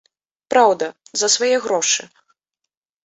Праўда, за свае грошы.